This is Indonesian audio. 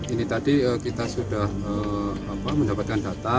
ini tadi kita sudah mendapatkan data